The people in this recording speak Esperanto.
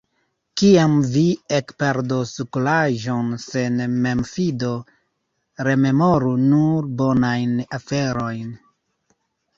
Kiam vi ekperdos kuraĝon sen memfido, rememoru nur bonajn aferojn.